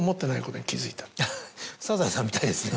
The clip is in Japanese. サザエさんみたいですね。